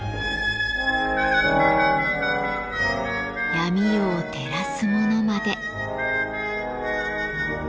闇夜を照らすものまで。